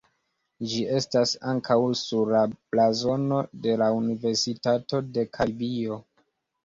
Ĝi estas ankaŭ sur la blazono de la Universitato de Karibio.